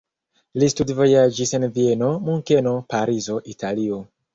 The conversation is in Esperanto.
Li studvojaĝis en Vieno, Munkeno, Parizo, Italio.